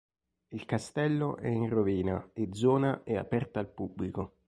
Il castello è in rovina e zona è aperta al pubblico.